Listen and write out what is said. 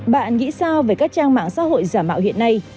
bạn nghĩ sao về các trang mạng xã hội giả mạo hiện nay